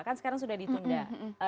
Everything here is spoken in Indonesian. kan sekarang sudah ditunda